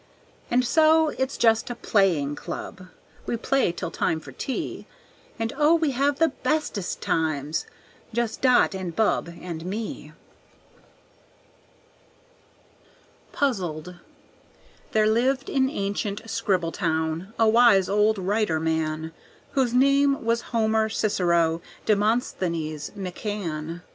And so it's just a Playing Club, We play till time for tea; And, oh, we have the bestest times! Just Dot and Bub and me. Puzzled There lived in ancient Scribbletown a wise old writer man, Whose name was Homer Cicero Demosthenes McCann.